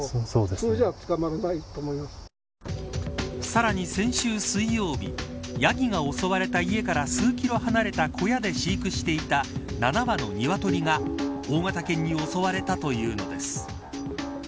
さらに先週水曜日ヤギが襲われた家から数キロ離れた小屋で飼育していた７羽のニワトリが大型犬に襲われたというのです。